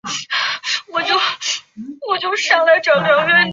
此外亦有一条路线途经此处前往粉岭站。